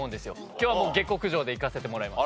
今日はもう下克上でいかせてもらいます。